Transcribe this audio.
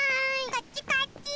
こっちこっち！